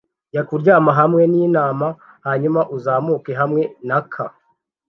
jya kuryama hamwe nintama hanyuma uzamuke hamwe naka.